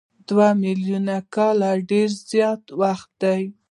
دوه میلیونه کاله ډېر زیات وخت دی.